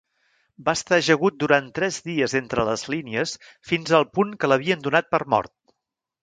Va estar ajagut durant tres dies entre les línies fins al punt que l'havien donat per mort.